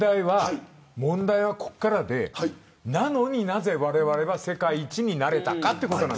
問題はここからでなのに、なぜ、われわれは世界一になれたかということ。